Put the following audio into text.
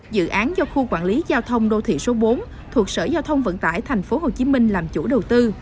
dự án do khu quản lý giao thông đô thị số bốn thuộc sở giao thông vận tải tp hcm làm chủ đầu tư